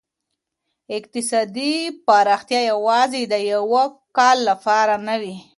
اقتصادي پرمختيا يوازي د يوه کال لپاره نه وي.